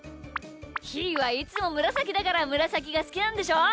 ひーはいつもむらさきだからむらさきがすきなんでしょう？